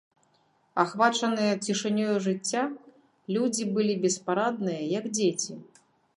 Ахвачаныя цішынёю жыцця, людзі былі беспарадныя, як дзеці.